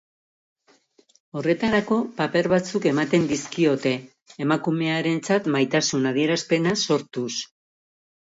Horretarako paper batzuk ematen dizkiote, emakumearentzat maitasun adierazpena sortuz.